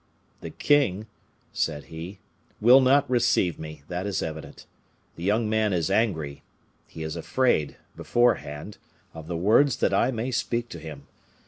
"The king," said he, "will not receive me, that is evident. The young man is angry; he is afraid, beforehand, of the words that I may speak to him.